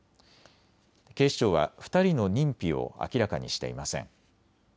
警視庁は２人の認否を明らかにしていません。